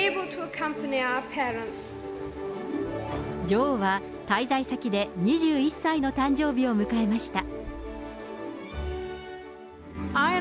女王は滞在先で２１歳の誕生日を迎えました。